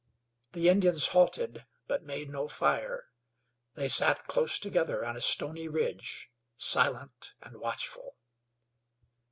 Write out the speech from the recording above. The Indians halted, but made no fire; they sat close together on a stony ridge, silent and watchful.